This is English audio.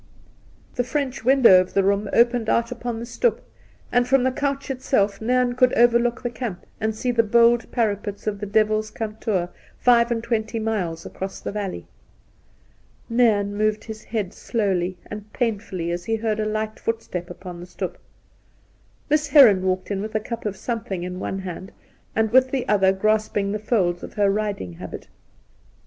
The French window of the room opened out upon the stoep, and from the couch itself Nairn could overlook the camp and see the bold parapets of the Devil's Kantoor five and twenty miles across the valley. Nairn moved his head slowly and painfully as he heard a light footstep upon the stoep. Miss Heron walked in with a cup of something in one hand, and with the other grasping the folds of her riding habit.